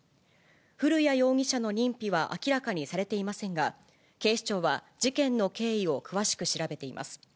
古谷容疑者の認否は明らかにされていませんが、警視庁は事件の経緯を詳しく調べています。